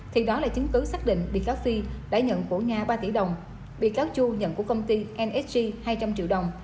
thì đó là chứng cứ xác định bị cáo phi đã nhận của nga ba tỷ đồng bị cáo chu nhận của công ty msg hai trăm linh triệu đồng